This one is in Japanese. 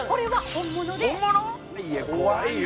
本物！？